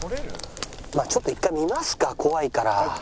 まあちょっと１回見ますか怖いから。